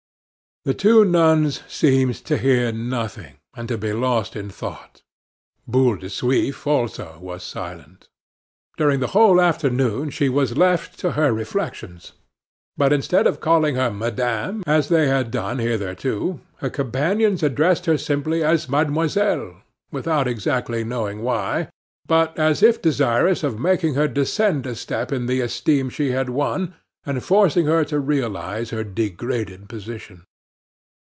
The two nuns seemed to hear nothing, and to be lost in thought. Boule de Suif also was silent. During the whole afternoon she was left to her reflections. But instead of calling her "madame" as they had done hitherto, her companions addressed her simply as "mademoiselle," without exactly knowing why, but as if desirous of making her descend a step in the esteem she had won, and forcing her to realize her degraded position.